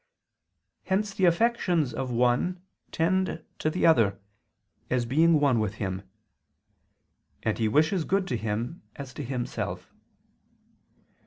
Hence the affections of one tend to the other, as being one with him; and he wishes good to him as to himself.